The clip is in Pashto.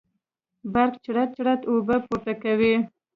برق چړت چړت اوبه پورته کوي.